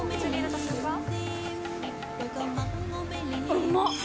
うまっ。